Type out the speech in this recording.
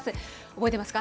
覚えてますか。